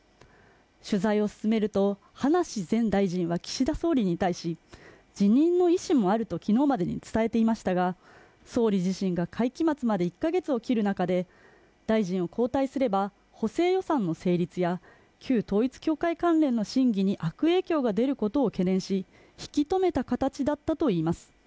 取材を進めると、葉梨前大臣は岸田総理に対し辞任の意思もあると昨日までに伝えていましたが総理自身が会期末まで１か月を切る中で、大臣を交代すれば、補正予算の成立や旧統一教会関連の審議に悪影響が出ることを懸念し引き止めた形だったといいます。